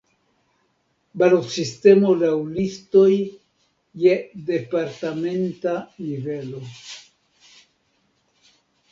Balotsistemo laŭ listoj je departementa nivelo.